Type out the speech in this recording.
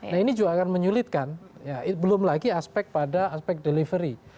nah ini juga akan menyulitkan belum lagi aspek pada aspek delivery